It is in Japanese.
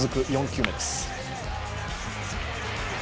４球目です。